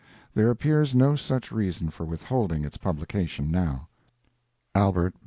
There appears no such reason for withholding its publication now. A. B.